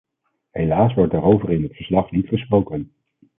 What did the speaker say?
Helaas wordt daarover in het verslag niet gesproken.